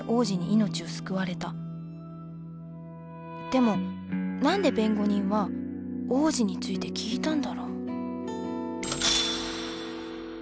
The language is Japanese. でも何で弁護人は王子について聞いたんだろう。